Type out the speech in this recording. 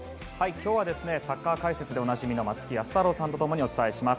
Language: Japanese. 今日はサッカー解説でおなじみの松木安太郎さんと共にお伝えします。